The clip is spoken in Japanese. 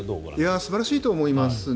素晴らしいと思いますね。